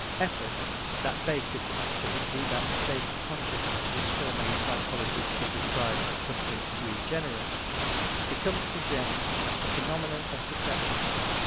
Effort, that basis of activity, that state of consciousness which so many psychologists have described as something sui generis, becomes to James a phenomenon of perception.